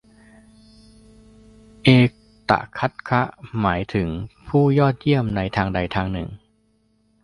เอตทัคคะ หมายถึงผู้ยอดเยี่ยมในทางใดทางหนึ่ง